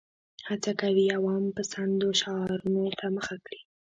هڅه کوي عوام پسندو شعارونو ته مخه کړي.